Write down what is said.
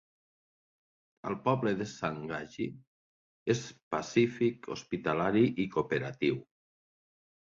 El poble de Sanjawi és pacífic, hospitalari i cooperatiu.